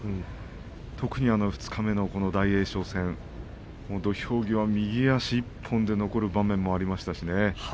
特に二日目の大栄翔戦土俵際、右足１本で残る場面もありましたしね。